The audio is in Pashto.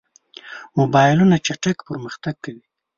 موبایلونه چټک پرمختګ کوي.